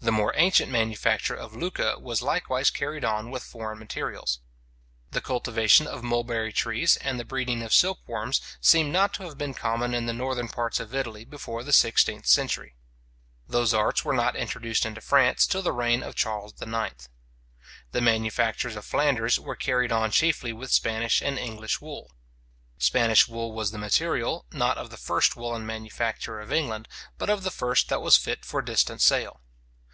The more ancient manufacture of Lucca was likewise carried on with foreign materials. The cultivation of mulberry trees, and the breeding of silk worms, seem not to have been common in the northern parts of Italy before the sixteenth century. Those arts were not introduced into France till the reign of Charles IX. The manufactures of Flanders were carried on chiefly with Spanish and English wool. Spanish wool was the material, not of the first woollen manufacture of England, but of the first that was fit for distant sale.